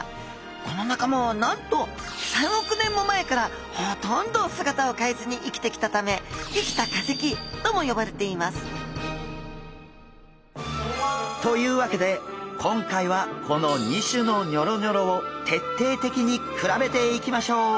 この仲間はなんと３億年も前からほとんど姿をかえずに生きてきたため生きた化石とも呼ばれていますというわけで今回はこの２種のニョロニョロを徹底的に比べていきましょう！